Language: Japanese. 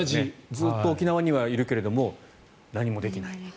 ずっと沖縄にはいるけど何もできない。